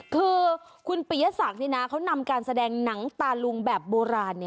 คือคุณปียศักดิ์เขานำการแสดงหนังตาลุงแบบโบราณ